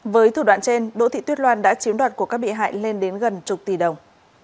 với thủ đoạn trên đỗ thị tuyết loan đã chiếm đoạt của các bị hại lên đến gần chục tỷ đồng